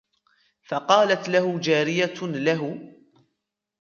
فَقَالَتْ لَهُ جَارِيَةٌ لَهُ